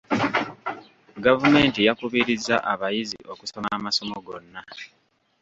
Gavumenti yakubirizza abayizi okusoma amasomo gonna.